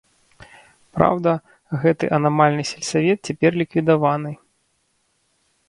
Праўда, гэты анамальны сельсавет цяпер ліквідаваны.